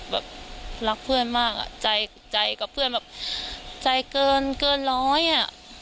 แบบรักเพื่อนมากอ่ะใจใจกับเพื่อนแบบใจเกินเกินร้อยอ่ะ